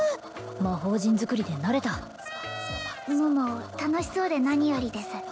魔方陣作りで慣れた桃楽しそうで何よりです